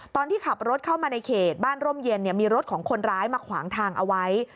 ตอนที่ขับรถเข้ามาในเขตบ้านร่มเย็นมีรถของคนร้ายมาขวางทางเอาไว้